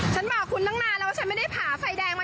ฉันบอกคุณตั้งนานแล้วว่าฉันไม่ได้ผ่าไฟแดงมา